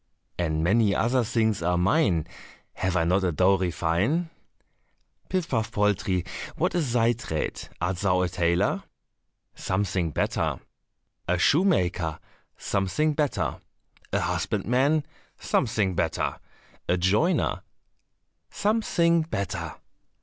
And many other things are mine, Have I not a dowry fine? "Pif paf poltrie, what is thy trade? Art thou a tailor?" "Something better." "A shoemaker?" "Something better." "A husbandman?" "Something better." "A joiner?" "Something better."